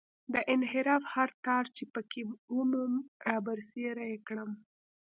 د انحراف هر تار چې په کې ومومم رابرسېره یې کړم.